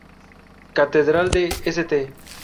Catedral de St.